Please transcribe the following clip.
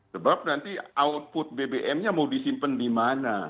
sebab nanti output bbm nya mau disimpan di mana